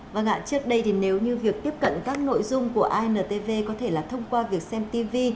vâng ạ trước đây thì nếu như việc tiếp cận các nội dung của intv có thể là thông qua việc xem tv